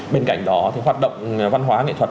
bên cạnh đó thì hoạt động văn hóa nghệ thuật